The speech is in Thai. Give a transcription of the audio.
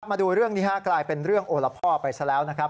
มาดูเรื่องนี้ฮะกลายเป็นเรื่องโอละพ่อไปซะแล้วนะครับ